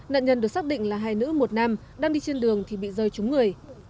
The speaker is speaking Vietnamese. nạn nhân được xác định là hai nữ một nam đang đi trên đường thì bị rơi trúng người